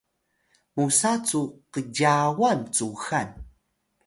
musa cu Qzyawan cuxan